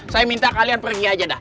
saya minta kalian pergi aja dah